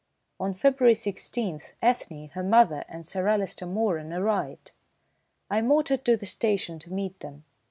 On February 16th Ethne, her mother, and Sir Alister Moeran arrived. I motored to the station to meet them.